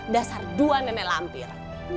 dasar dua nenek lampir